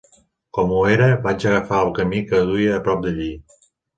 Com ho era, vaig agafar el camí que duia a prop d'allí.